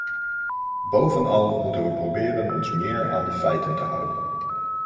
Bovenal moeten we proberen ons meer aan de feiten te houden.